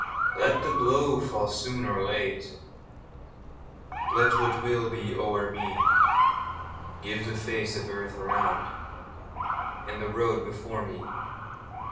Let the blow fall soon or late, Let what will be o'er me; Give the face of earth around And the road before me.